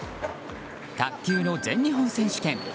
卓球の全日本選手権。